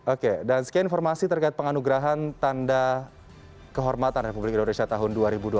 oke dan sekian informasi terkait penganugerahan tanda kehormatan republik indonesia tahun dua ribu dua puluh